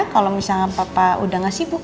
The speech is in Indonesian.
kalau misalnya papa udah gak sibuk